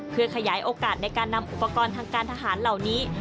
เพื่อขยายโอกาสในการนำอุปกรณ์ทางการทหารเหล่านี้